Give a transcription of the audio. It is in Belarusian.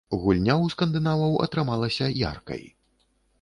Гульня ў скандынаваў атрымалася яркай.